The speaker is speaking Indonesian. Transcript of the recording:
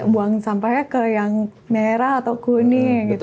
buang sampahnya ke yang merah atau kuning gitu